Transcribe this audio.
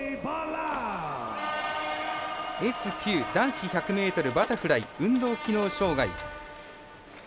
Ｓ９、男子１００ｍバタフライ運動機能障がい。